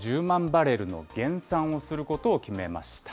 バレルの減産をすることを決めました。